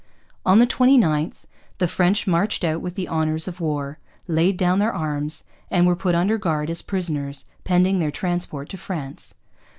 On the 29th the French marched out with the honours of war, laid down their arms, and were put under guard as prisoners, pending their transport to France.